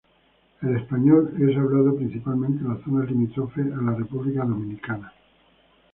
El español es hablado principalmente en las zonas limítrofes a la República Dominicana.